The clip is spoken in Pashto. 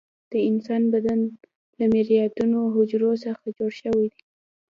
د انسان بدن له میلیاردونو حجرو څخه جوړ شوى ده.